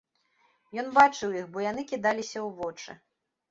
Ён бачыў іх, бо яны кідаліся ў вочы.